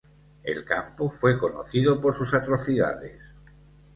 El campo fue conocido por sus atrocidades.